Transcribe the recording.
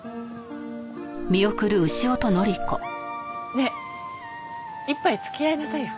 ねえ一杯付き合いなさいよ。